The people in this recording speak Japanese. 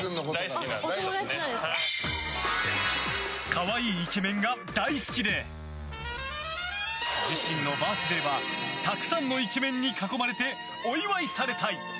可愛いイケメンが大好きで自身のバースデーはたくさんのイケメンに囲まれてお祝いされたい！